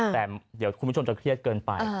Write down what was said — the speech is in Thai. แต่เดี๋ยวคุณผู้ชมจะเครียดเกินไป